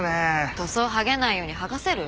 塗装はげないように剥がせる？